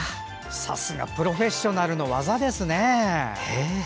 さすがプロフェッショナルの技ですね。